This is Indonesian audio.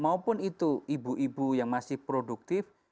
maupun itu ibu ibu yang masih produktif